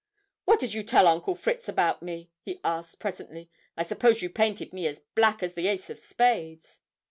"What did you tell Uncle Fritz about me?" he asked presently. "I suppose you painted me as black as the ace of spades."